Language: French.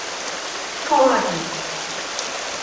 Pour la vie!